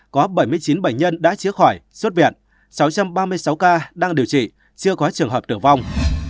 có bảy mươi chín bệnh nhân đã chữa khỏi xuất viện sáu trăm ba mươi sáu ca đang điều trị chưa có trường hợp tử vong